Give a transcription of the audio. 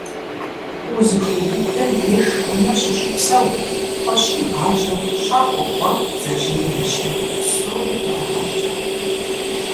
Узыхуей дыдэм деж унэ щыщӀи псэу: кхъуэщын гъажьэ, щакӀуэ кӀуэ, бдзэжьей ещэ. Псори пэрыхьэтщ.